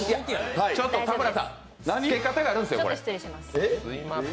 ちょっと田村さん、つけかたがあるんですよ、これ。